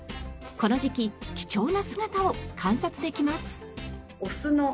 この時期貴重な姿を観察できます。